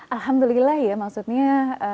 alhamdulillah ya maksudnya